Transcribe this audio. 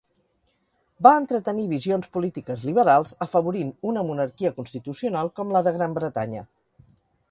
Va entretenir visions polítiques liberals, afavorint una monarquia constitucional com la de Gran Bretanya.